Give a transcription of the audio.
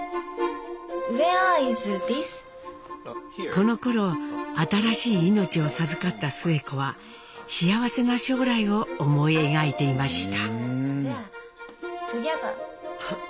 このころ新しい命を授かったスエ子は幸せな将来を思い描いていました。